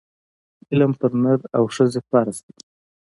علم پر نر او ښځي فرض دی